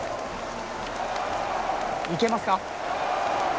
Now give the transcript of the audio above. いけますか？